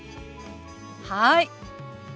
はい。